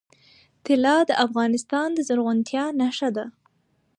طلا د افغانستان د زرغونتیا نښه ده.